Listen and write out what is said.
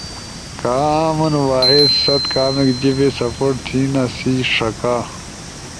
کامن وائس ست کامیک جیِبے سپورٹ تھینا سی ݜکا